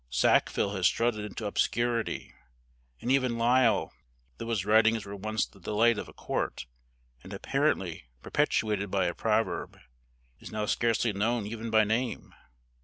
Sackville has strutted into obscurity; and even Lyly, though his writings were once the delight of a court, and apparently perpetuated by a proverb, is now scarcely known even by name.